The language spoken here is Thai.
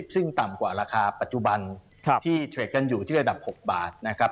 ซึ่งต่ำกว่าราคาปัจจุบันที่เทรดกันอยู่ที่ระดับ๖บาทนะครับ